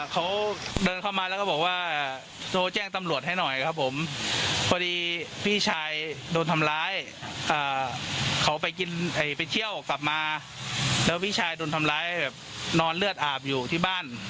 ขอกินน้ำด้วยอะไรด้วยแล้วก็แบบพอแจ้งเจ้าหน้าที่